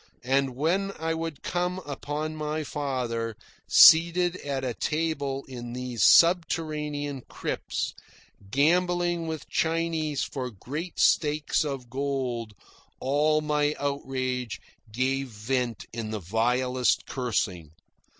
And when I would come upon my father, seated at table in these subterranean crypts, gambling with Chinese for great stakes of gold, all my outrage gave vent in the vilest cursing.